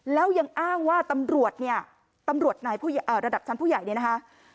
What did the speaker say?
แล้วยังอ้างว่าตำรวจเนี่ยตำรวจนายระดับชั้นผู้ใหญ่เนี่ยนะคะ